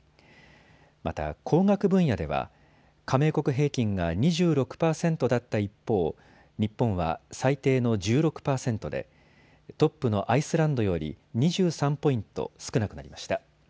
また工学分野では加盟国平均が２６％だった一方、日本は最低の１６％でトップのアイスランドより２３ポイント少なくなりました。